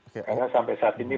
karena sampai saat ini